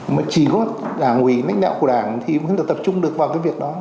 mà chỉ có cả người nách đạo của đảng thì mới tập trung được vào cái việc đó